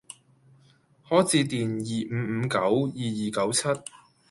可致電二五五九二二九七